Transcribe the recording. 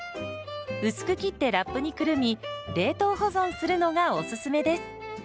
薄く切ってラップにくるみ冷凍保存するのがおすすめです。